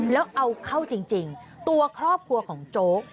แล้วเอาเข้าจริงตัวครอบครัวของโจ๊ก